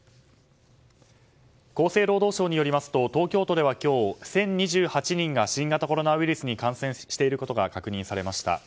厚生労働省によりますと東京都では今日１０２８人が新型コロナウイルスに感染していることが確認されました。